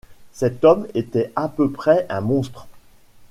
Cet homme était à peu près un monstre.